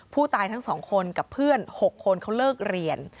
ทั้ง๒คนกับเพื่อน๖คนเขาเลิกเรียน